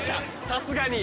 さすがに。